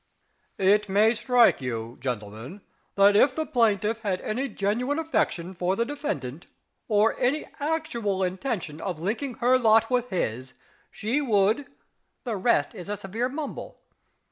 "It may strike you, gentlemen, that if the plaintiff had any genuine affection for the defendant, or any actual intention of linking her lot with his, she would " (the rest is a severe mumble!)